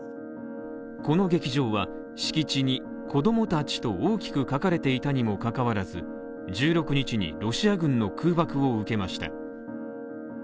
この劇場は敷地に「子供たち」と大きく書かれていたにもかかわらず１６日にロシア軍の空爆を受けました。